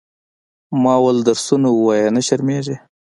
مالې درسونه ووايه نه شرمېږې.